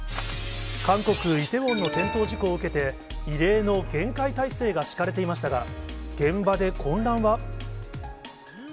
韓国・イテウォンの転倒事故を受けて、異例の厳戒態勢が敷かれていましたが、現場で混乱は？